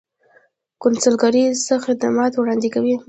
کونسلګرۍ څه خدمات وړاندې کوي؟